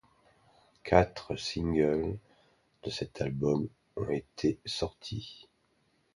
Quatre singles de cet album ont été sortis.